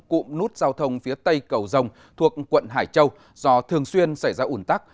cụm nút giao thông phía tây cầu rồng thuộc quận hải châu do thường xuyên xảy ra ủn tắc